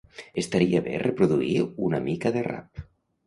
Estaria bé reproduir una mica de rap.